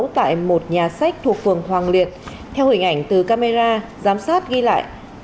tại một nhà sách thuộc phường hoàng liệt theo hình ảnh từ camera giám sát ghi lại